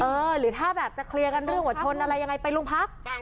หรือถ้าแบบจะเคลียร์กันเรื่องว่าชนอะไรยังไงไปโรงพัก